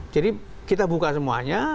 jadi kita buka semuanya